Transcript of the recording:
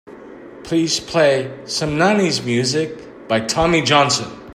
Please play some nineties music by Tommy Johnson.